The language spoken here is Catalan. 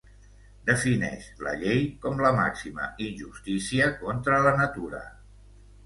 Defineix la llei com la màxima injustícia contra la natura.